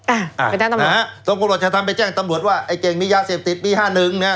อ่าไปแจ้งตำรวจนะฮะตรงกรมราชธรรมไปแจ้งตำรวจว่าไอ้เก่งมียาเสพติดปีห้าหนึ่งนะฮะ